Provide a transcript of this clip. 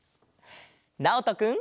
なおとくん。